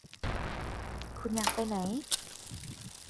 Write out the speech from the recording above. คุณอยากไปไหน